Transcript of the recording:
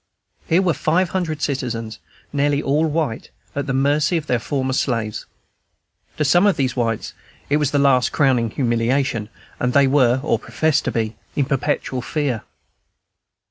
Here were five hundred citizens, nearly all white, at the mercy of their former slaves. To some of these whites it was the last crowning humiliation, and they were, or professed to be, in perpetual fear.